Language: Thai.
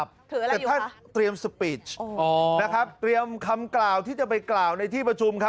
สวัสดีค่ะท่านนายกสวัสดีค่ะ